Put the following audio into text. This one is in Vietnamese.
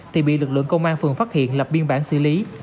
thì bị lực lượng công an phường phát hiện lập biên bản xử lý